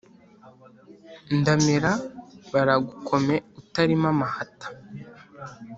ndamira baragukome utarima amahata,